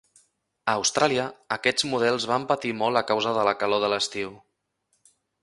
A Austràlia, aquests models van patir molt a causa de la calor de l'estiu.